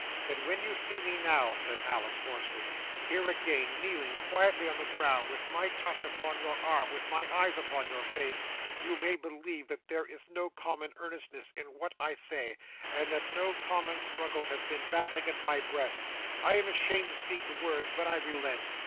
"Then when you see me now," said Alice hoarsely, "here again, kneeling quietly on the ground, with my touch upon your arm, with my eyes upon your face, you may believe that there is no common earnestness in what I say, and that no common struggle has been battling in my breast. I am ashamed to speak the words, but I relent.